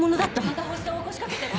また発作を起こしかけてる！